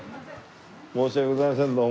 申し訳ございませんどうも。